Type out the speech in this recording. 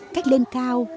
cách lên cao